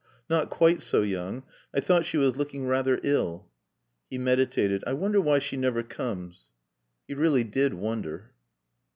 Not quite so young. I thought she was looking rather ill." He meditated. "I wonder why she never comes." He really did wonder.